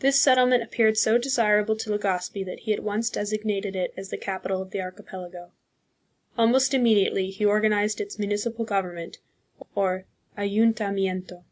This settlement appeared so desirable to Legazpi that he at once designated it as the capital of the archipelago. Almost immediately he organized its municipal government, or ayuntamiento.